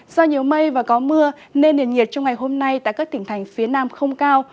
do nhiều mây và có mưa nên nền nhiệt trong ngày hôm nay tại các tỉnh thành phía nam không cao